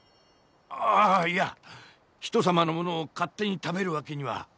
あいや人様のものを勝手に食べるわけには。